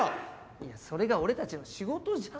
いやそれが俺たちの仕事じゃん。